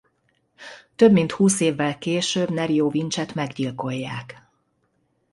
Több mint húsz évvel később Nerio Winch-et meggyilkolják.